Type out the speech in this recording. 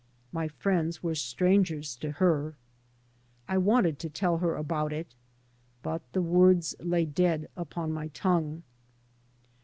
My friends were " strangers " to her. I wanted to tell her about it. But the words lay dead upon my tongue.